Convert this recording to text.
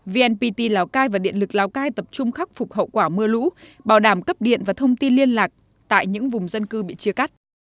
vnpt lào cai và điện lực lào cai tập trung khắc phục hậu quả mưa lũ bảo đảm cấp điện và thông tin liên lạc tại những vùng dân cư bị chia cắt